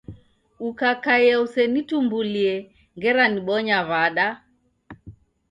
Ukakaia usenitumbulie ngera nibonya w'ada?